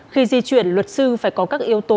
khi di chuyển luật sư phải có các yếu tố